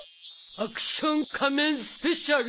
『アクション仮面スペシャル』。